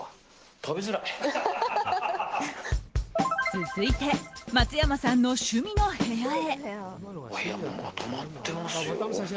続いて松山さんの趣味の部屋へ。